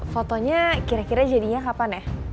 fotonya kira kira jadinya kapan ya